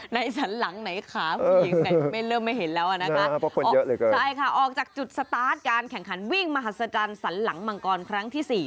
ในสันหลังไหนคะไม่เห็นแล้วออกจากจุดสตาร์ทการแข่งขันวิ่งมหาสรรหลังมังกรครั้งที่๔